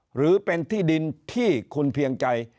หรือเป็นที่ดินที่คุณเพียงใจ